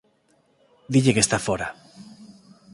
Dille que está fóra.